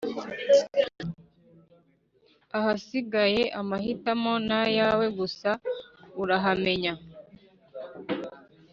ahasigaye amahitamo n’ayawe, gusa urahamenya